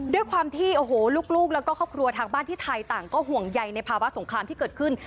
ด้วยความที่โอ้โหลูกแล้วก็ครอบครัวทางบ้านที่ไทยต่างก็ห่วงใยในภาวะสงครามที่เกิดขึ้น